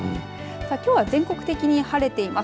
きょうは全国的に晴れています。